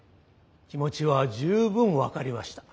気持ちは十分分かりました。